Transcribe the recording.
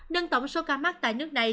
đơn tổng số ca mắc tại nước này